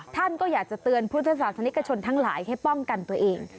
ท่านก็อยากจะเตือนพุทธศาสนิกชนทั้งหลายให้ป้องกันตัวเอง